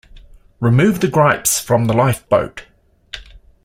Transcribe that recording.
Remove the gripes from the lifeboat.